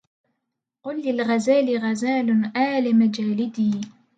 قل للغزال غزال آل مجالد